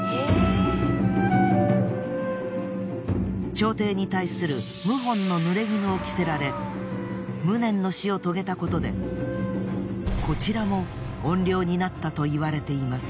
朝廷に対する謀反の濡れ衣を着せられ無念の死を遂げたことでこちらも怨霊になったといわれています。